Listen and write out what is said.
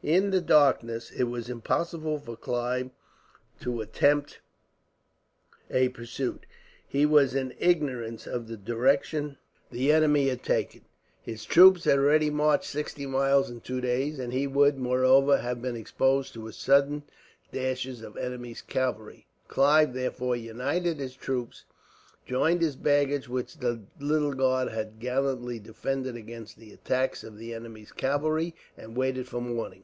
In the darkness, it was impossible for Clive to attempt a pursuit. He was in ignorance of the direction the enemy had taken; his troops had already marched sixty miles in two days; and he would, moreover, have been exposed to sudden dashes of the enemy's cavalry. Clive, therefore, united his troops, joined his baggage, which the little guard had gallantly defended against the attacks of the enemy's cavalry, and waited for morning.